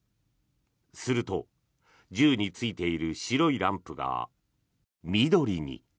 すると、銃についている白いランプが緑に。